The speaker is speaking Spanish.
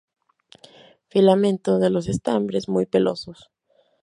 Filamentos de los estambres muy pelosos.